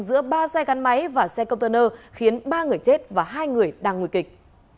giữa ba xe gắn máy và xe container khiến ba người chết và hai người đang nguy kịch